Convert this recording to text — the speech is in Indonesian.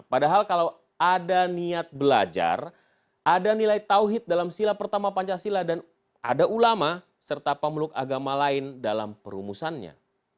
padahal kalau ada niat belajar ada nilai tawhid dalam sila pertama pancasila dan ada ulama serta pemeluk agama lain dalam perumusannya